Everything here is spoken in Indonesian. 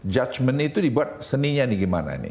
judgment itu dibuat seninya nih gimana nih